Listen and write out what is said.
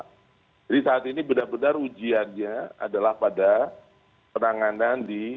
jadi saat ini benar benar ujiannya adalah pada penanganan di